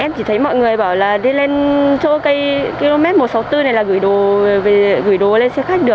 em chỉ thấy mọi người bảo là đi lên chỗ cây km một trăm sáu mươi bốn này là gửi đồ lên xe khách được